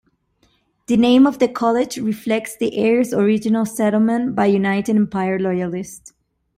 The name of the college reflects the area's original settlement by United Empire Loyalists.